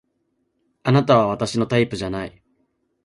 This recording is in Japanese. あなたは私のタイプじゃない